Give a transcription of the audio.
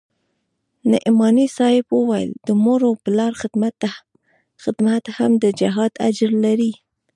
نعماني صاحب وويل د مور و پلار خدمت هم د جهاد اجر لري.